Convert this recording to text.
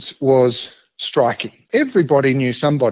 semua orang tahu seseorang di dunia kolonial